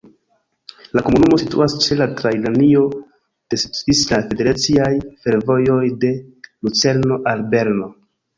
La komunumo situas ĉe la trajnlinio de Svisaj Federaciaj Fervojoj de Lucerno al Berno.